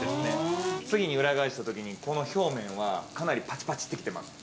次に裏返したときに、この表面はかなりパチパチって言ってます。